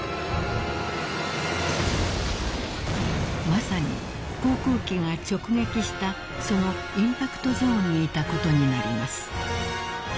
［まさに航空機が直撃したそのインパクトゾーンにいたことになります］